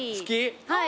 はい。